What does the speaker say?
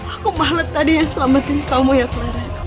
aku malet tadi yang selamatin kamu ya clara